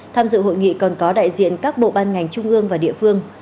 tham dự hội nghị còn có đại diện các bộ ban ngành trung ương và địa phương